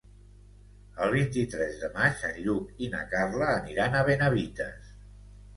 El vint-i-tres de maig en Lluc i na Carla aniran a Benavites.